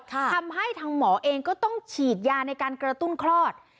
ทำให้ทางหมอเองก็ต้องฉีดยาในการกระตุ้นคลอด